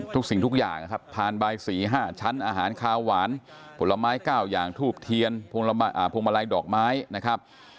ทุกสิ่งทุกอย่างครับผ่านใบสี่ห้าชั้นอาหารคาวหวานผลไม้เก้าอย่างทูบเทียนภูมิลัยดอกไม้นะครับ